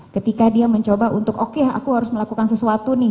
ketika dia mencoba untuk oke aku harus melakukan sesuatu nih